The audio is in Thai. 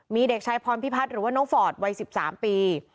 มีเด็กชายพรพิพัฒน์หรือว่าน้องฟอร์ดวัย๑๓ปี